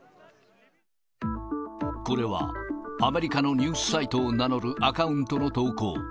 これはアメリカのニュースサイトを名乗るアカウントの投稿。